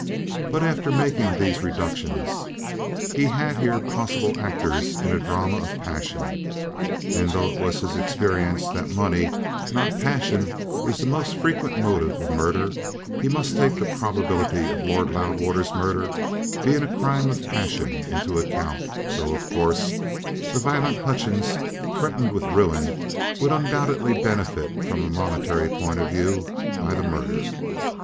But, after making these reductions, he had here possible actors in a drama of passion; and though it was his experience that money, not passion, is the most frequent motive of murder, he must take the probability of Lord Loudwater's murder being a crime of passion into account, though, of course, the violent Hutchings, threatened with ruin, would undoubtedly benefit from a monetary point of view by the murder.